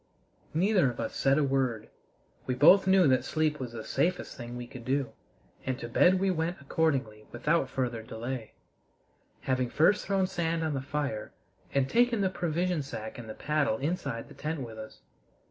Neither of us said a word. We both knew that sleep was the safest thing we could do, and to bed we went accordingly without further delay, having first thrown sand on the fire and taken the provision sack and the paddle inside the tent with us.